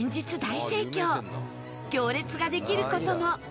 行列ができる事も。